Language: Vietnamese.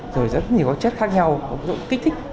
rồi rất nhiều các chất khác nhau kích thích